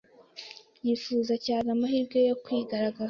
Yifuza cyane amahirwe yo kwigaragaza.